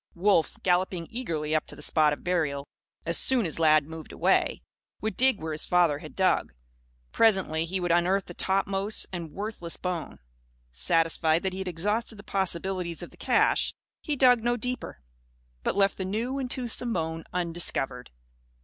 Wolf, galloping eagerly up to the spot of burial, as soon as Lad moved away, would dig where his father had dug. Presently, he would unearth the topmost and worthless bone. Satisfied that he had exhausted the possibilities of the cache, he dug no deeper; but left the new and toothsome bone undiscovered.